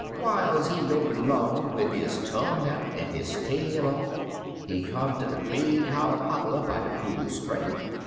Whiles he lopin' long, wid his tongue out an' his tail off, he come ter de big holler poplar by de cool spring.